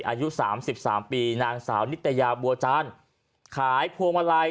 อายุสามสิบสามปีนางสาวนิตยาบัวจานขายพวงมาลัย